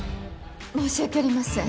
申し訳ありません。